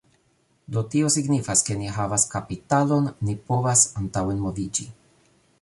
Do, tio signifas, ke ni havas kapitalon ni povas antaŭenmoviĝi